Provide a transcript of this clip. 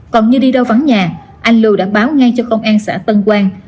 còn như đi đâu vắng nhà anh lưu đã báo ngay cho công an xã tân quang